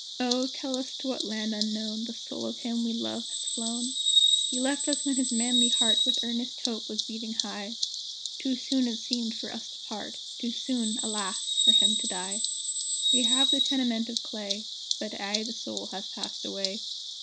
O, tell us to what land unknown The soul of him we love has flown? He left us when his manly heart With earnest hope was beating high; Too soon it seemed for us to part; Too soon, alas! for him to die. We have the tenement of clay, But aye the soul has passed away.